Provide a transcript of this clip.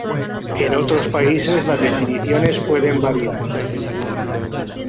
En otros países, las definiciones pueden variar.